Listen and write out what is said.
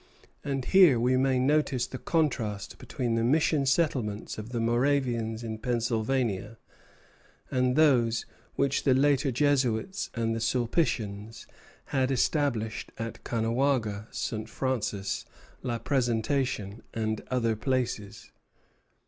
And here we may notice the contrast between the mission settlements of the Moravians in Pennsylvania and those which the later Jesuits and the Sulpitians had established at Caughnawaga, St. Francis, La Présentation, and other places.